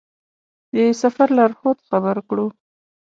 د سفر لارښود خبر کړو.